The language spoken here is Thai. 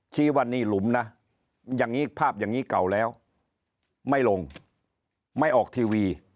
ชี้ว่านี่หลุมนะอย่างนี้ภาพอย่างนี้เก่าแล้วไม่ลงไม่ออกทีวี